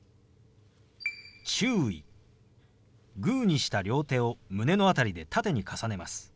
グーにした両手を胸の辺りで縦に重ねます。